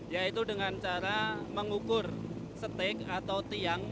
yaitu dengan cara mengukur steak atau tiang